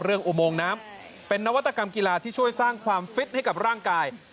อุโมงน้ำเป็นนวัตกรรมกีฬาที่ช่วยสร้างความฟิตให้กับร่างกาย